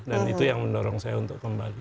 dan itu yang mendorong saya untuk kembali